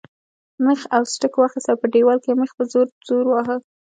مېخ او سټک واخیست او په دیوال کې یې مېخ په زور زور واهه.